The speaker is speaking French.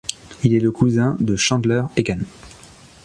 Il est le cousin de Chandler Egan.